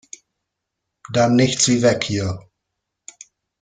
Dann nichts wie weg hier!